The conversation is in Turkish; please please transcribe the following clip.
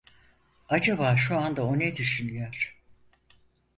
Acaba şu anda o ne düşünüyor?